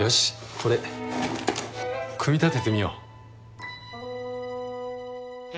これ組み立ててみよう。